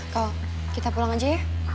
kalau kita pulang aja ya